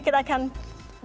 kita akan beri kesempatan